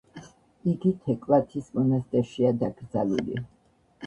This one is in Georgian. იგი თეკლათის მონასტერშია დაკრძალული.